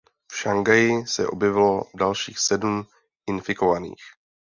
V Šanghaji se objevilo dalších sedm infikovaných.